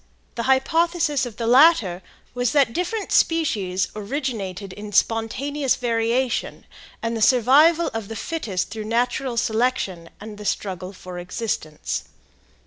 The hypothesis of the latter was that different species originated in spontaneous variation, and the survival of the fittest through natural selection and the struggle for existence.